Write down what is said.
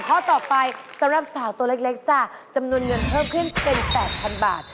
ข้อต่อไปสำหรับสาวตัวเล็กจ้ะจำนวนเงินเพิ่มขึ้นเป็น๘๐๐๐บาท